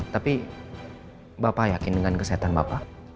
tapi bapak yakin dengan kesehatan bapak